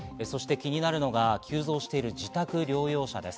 気になるのが急増している自宅療養者です。